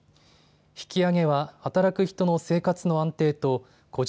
引き上げは働く人の生活の安定と個人